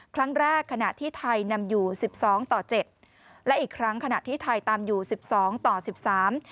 ขณะที่ไทยนำอยู่สิบสองต่อเจ็ดและอีกครั้งขณะที่ไทยตามอยู่สิบสองต่อสิบสาม